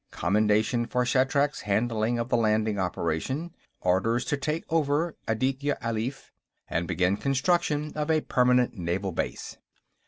Commendation for Shatrak's handling of the landing operation. Orders to take over Aditya Alif and begin construction of a permanent naval base.